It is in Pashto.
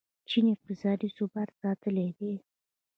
چین اقتصادي ثبات ساتلی دی.